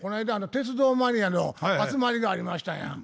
鉄道マニアの集まりがありましたんや。